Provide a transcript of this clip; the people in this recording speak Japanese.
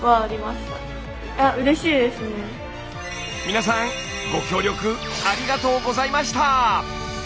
皆さんご協力ありがとうございました！